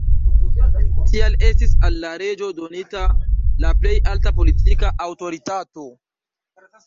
Tial estis al la reĝo donita la plej alta politika aŭtoritato.